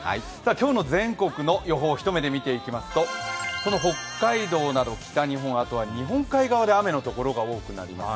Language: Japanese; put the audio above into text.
今日の全国を予報を一目で見ていきますと、その北海道など北日本、あとは日本海側で雨のところが多くなります。